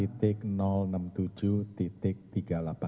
ya apa lagi cukup